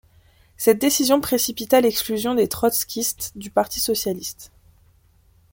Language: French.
Cette décision précipita l'exclusion des trotskystes du Parti socialiste.